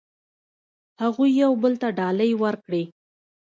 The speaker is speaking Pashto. هغوی یو بل ته ډالۍ ورکړې.